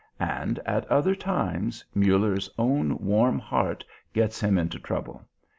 And at other times, Muller's own warm heart gets him into trouble.